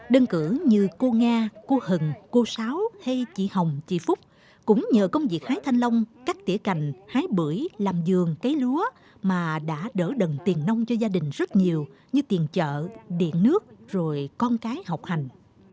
đơn cử như cô nga cô hừng cô sáu hay chị hồng chị phúc cũng nhờ công việc hái thanh long cắt tỉa cành hái bưởi làm giường cấy lúa mà đã đỡ đần tiền nông cho gia đình rất nhiều như tiền chợ điện nước rồi con cái học hành